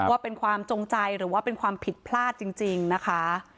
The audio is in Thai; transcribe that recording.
ว่าเป็นความจงใจหรือว่าเป็นความผิดพลาดจริงนะคะ